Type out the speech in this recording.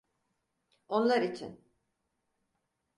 Onlar için.